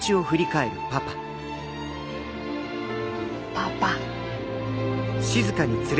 パパ。